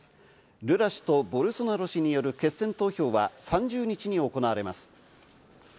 ルラ氏とボルソナロ氏による決選投票は３０日に行われます。